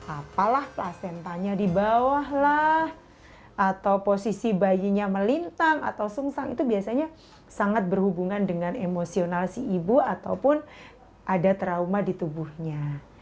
apalah placentanya di bawah lah atau posisi bayinya melintang atau sungsang itu biasanya sangat berhubungan dengan emosional si ibu ataupun ada trauma di tubuhnya